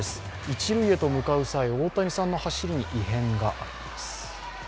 一塁へと向かう際、大谷さんの走りに異変が。